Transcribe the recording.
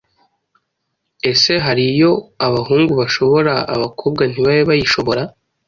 Ese hari iyo abahungu bashobora abakobwa ntibabe bayishobora?